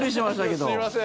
すいません。